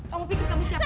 kamu pinggir kamu siapa